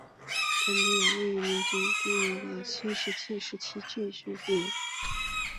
詹蒂亚神庙是位于地中海戈佐岛上的新石器时代巨石庙。